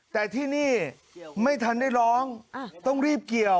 แต่ที่นี่ไม่ทันได้ร้องต้องรีบเกี่ยว